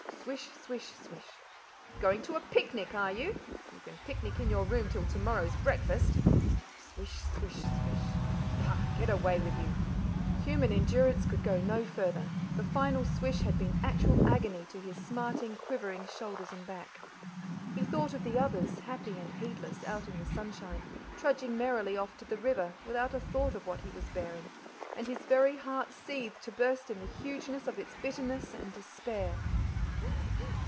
Swish, swish, swish. "Going to a picnic, are you? You can picnic in your room till to morrow's breakfast." Swish, swish, swish. "Pah get away with you!" Human endurance could go no further. The final swish had been actual agony to his smarting, quivering shoulders and back. He thought of the others, happy and heedless, out in the sunshine, trudging merrily off to the river, without a thought of what he was bearing, and his very heart seethed to burst in the hugeness of its bitterness and despair.